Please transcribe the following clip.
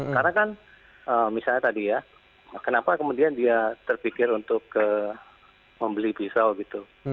karena kan misalnya tadi ya kenapa kemudian dia terpikir untuk ke membeli pisau gitu